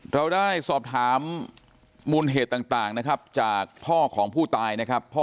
เราได้สอบถามมูลเหตุต่างนะครับจากพ่อของผู้ตายนะครับ